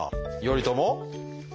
頼朝。